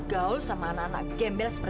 walaupun lo bilang sebel